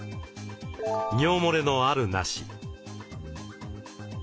尿もれのあるなし。